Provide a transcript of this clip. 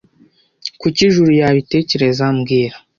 Kuki Juru yabitekereza mbwira